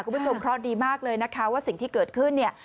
คุณผู้ชมครอบครอบดีมากเลยนะคะว่าสิ่งที่เกิดขึ้น